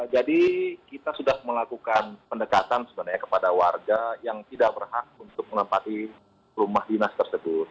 jadi kita sudah melakukan pendekatan sebenarnya kepada warga yang tidak berhak untuk menempati rumah dinas tersebut